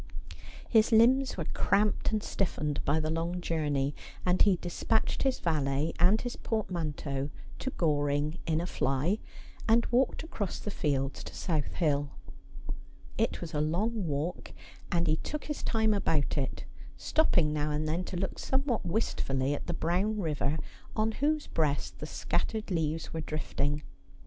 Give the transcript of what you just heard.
His limbs were cramped and stiffened by the long journey, and he despatched his valet and his portmanteau to Goring in a fly, and walked across the fields to South Hill. It was a long walk and he took his time about it, stopping now and then to look somewhat wistfully at the brown river, on whose breast the scattered leaves were drifting.